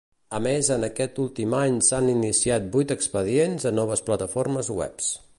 A més en aquest últim any s'han iniciat vuit expedients a noves plataformes webs.